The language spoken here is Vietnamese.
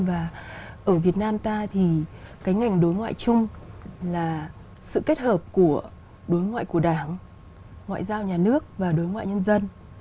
và ở việt nam ta thì cái ngành đối ngoại chung là sự kết hợp của đối ngoại của đảng ngoại giao nhà nước và đối ngoại nhân dân